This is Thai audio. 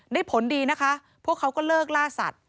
ผลดีนะคะพวกเขาก็เลิกล่าสัตว